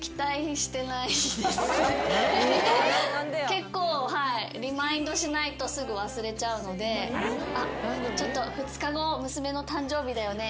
結構リマインドしないとすぐ忘れちゃうので２日後娘の誕生日だよね？